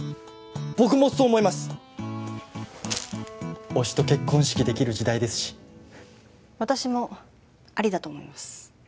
僕もそう思います推しと結婚式できる時代ですし私もありだと思います